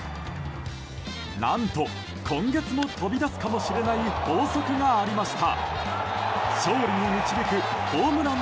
何と、今月も飛び出すかもしれない法則がありました。